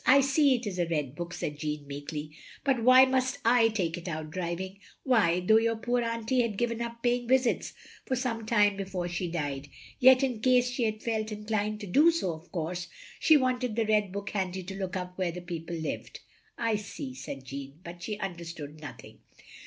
" I see it is a red book, " said Jeanne, meekly, " but why must I take it out driving? " "Why — ^though your poor auntie had given up paying visits for some time before she died — ^yet in case she had felt inclined to do so, of course she wanted the Red book handy to look up where the people lived. " "I see/' said Jeanne, but she tmderstood nothing.